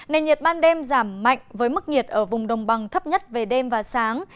nền nhiệt ban đêm giảm mạnh với mức nhiệt ở vùng đồng bằng thấp nhất về đêm và sáng